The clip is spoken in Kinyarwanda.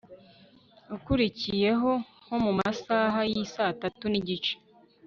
ukurikiyeho nkomumasaha yisatanu nigice